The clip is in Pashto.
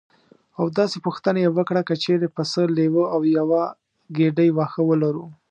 او داسې پوښتنه یې وکړه: که چېرې پسه لیوه او یوه ګېډۍ واښه ولرو.